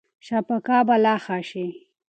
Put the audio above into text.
شبکه به لا ښه شي.